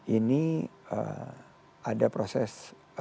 ini ada proses